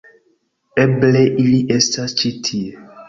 Eble ili estas ĉi tie.